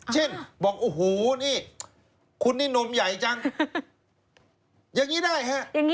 เช่นบอกโอ้โหนี่คุณนี่นมใหญ่จังอย่างนี้ได้ฮะ